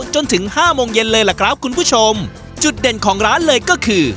จนถึงห้าโมงเย็นเลยล่ะครับคุณผู้ชมจุดเด่นของร้านเลยก็คือ